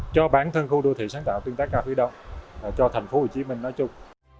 cho bản thân khu đô thị sáng tạo tuyên tác cao khí động cho tp hcm nói chung